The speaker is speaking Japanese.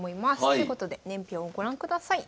ということで年表をご覧ください。